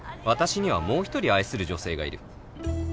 私にはもう１人愛する女性がいる